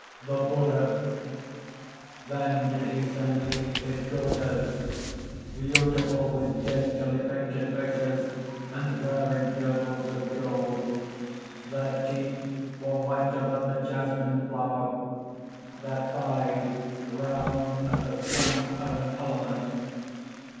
THE BUDDHA. "Then did he send me his daughters beautiful with daintily painted faces, and wearing girdles of gold. Their teeth were whiter than the jasmine flower; their thighs round as the trunk of an elephant.